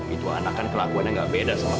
itu anak kan kelakuannya gak beda sama kamu